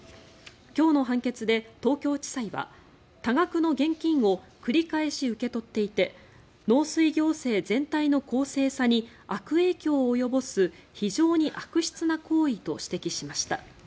今日の判決で東京地裁は多額の現金を繰り返し受け取っていて農水行政全体の公正さに悪影響を及ぼす非常に悪質な行為と指摘しました。